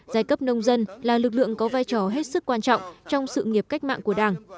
giai cấp nông dân là lực lượng có vai trò hết sức quan trọng trong sự nghiệp cách mạng của đảng